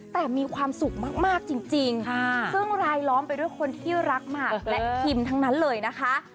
แต่มีความสุขมากจริงซึ่งรายล้อมไปด้วยคนที่รักหมากและคิมทั้งนั้นเลยนะคะ